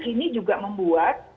ini juga membuat